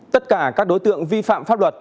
tất cả các đối tượng vi phạm pháp luật